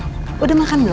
sudah makan belum